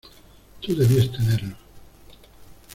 tú debías tenerlos...